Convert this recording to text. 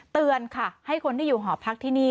เตือนค่ะให้คนที่อยู่หอพักที่นี่